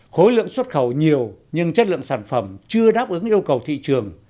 khối lượng xuất khẩu nhiều nhưng chất lượng sản phẩm chưa đáp ứng yêu cầu thị trường